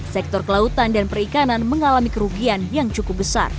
sektor kelautan dan perikanan mengalami kerugian yang cukup besar